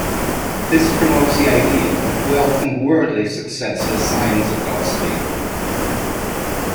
This promotes the idea that wealth and worldly success are signs of God's favour.